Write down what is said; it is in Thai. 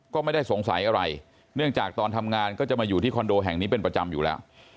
ก็ไม่ได้สงสัยอะไรเนื่องจากตอนทำงานก็จะมาอยู่ที่คอนโดแห่งนี้เป็นประจำอยู่แล้ว